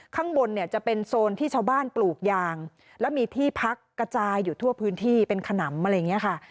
ข้างบนเนี่ยจะเป็นโซนที่ชาวบ้านปลูกยางแล้วมีที่พักกระจายอยู่ทั่วพื้นที่เป็นขนำอะไรอย่างนี้ค่ะ